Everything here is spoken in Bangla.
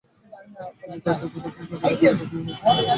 তিনি তার যোদ্ধাদেরকে কাদেরিয়া তরিকার বিভিন্ন চর্চা অণুশীলনের উপদেশ দিতেন।